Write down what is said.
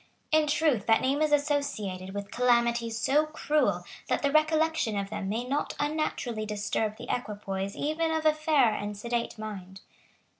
In truth that name is associated with calamities so cruel that the recollection of them may not unnaturally disturb the equipoise even of a fair and sedate mind.